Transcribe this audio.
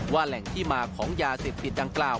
แหล่งที่มาของยาเสพติดดังกล่าว